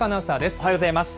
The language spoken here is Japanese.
おはようございます。